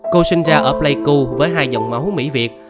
cô sinh ra ở pleiku với hai dòng máu mỹ việt